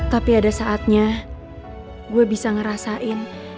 tapi ada saatnya gue bisa ngerasain